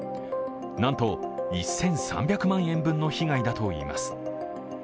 なんと１３００万円分の被害だといいます。